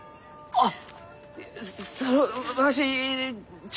あっ。